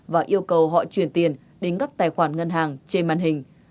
để cho họ chuyển tiền đến các tài khoản ngân hàng trên màn hình